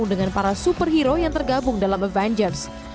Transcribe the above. dengan para superhero yang tergabung dalam avengers